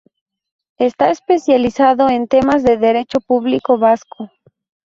Está especializado en temas de derecho público vasco.